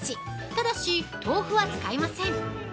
ただし、豆腐は使いません。